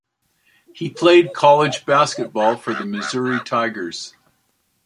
He played college basketball for the Missouri Tigers.